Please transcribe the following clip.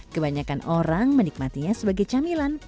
kebanyakan orang menikmatinya sebagai camilan